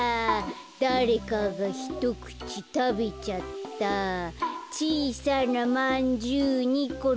「だれかがひとくちたべちゃった」「ちいさなまんじゅう２このせて」